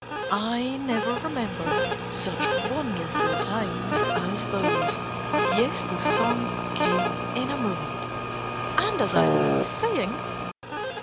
I never remember such wonderful times as those. "Yes, the song came in a moment, and as I was saying...."